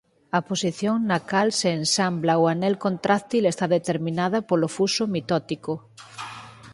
A posición na cal se ensambla o anel contráctil está determinada polo fuso mitótico.